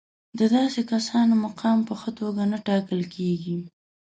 د داسې کسانو مقام په ښه توګه نه ټاکل کېږي.